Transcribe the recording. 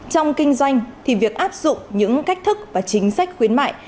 trong kinh doanh thì việc áp dụng những cách thức và chính sách khuyến mại